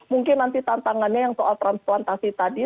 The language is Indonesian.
mungkin nanti tantangannya yang soal transplantasi tadi